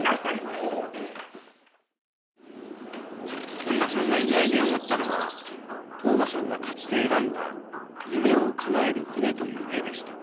本田さんが意外に思ったのは統真さんがかつて選んだ「夢を叶える船」という絵でした。